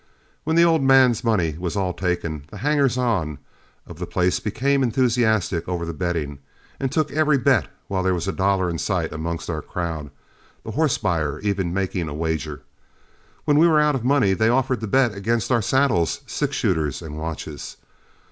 When the old man's money was all taken, the hangers on of the place became enthusiastic over the betting, and took every bet while there was a dollar in sight amongst our crowd, the horse buyer even making a wager. When we were out of money they offered to bet against our saddles, six shooters, and watches.